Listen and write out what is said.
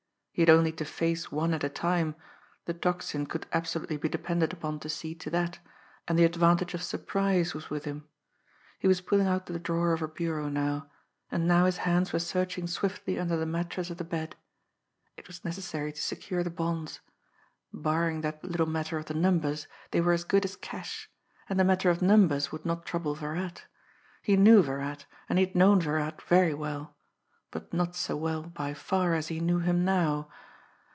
He had only to face one at a time; the Tocsin could absolutely be depended upon to see to that, and the advantage of surprise was with him. He was pulling out the drawer of a bureau now and now his hands were searching swiftly under the mattress of the bed. It was necessary to secure the bonds. Barring that little matter of the numbers, they were as good as cash and the matter of numbers would not trouble Virat. He knew Virat, and he had known Virat very well but not so well by far as he knew him now!